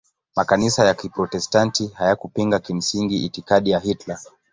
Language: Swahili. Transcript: Makanisa ya Kiprotestanti hayakupinga kimsingi itikadi ya Hitler.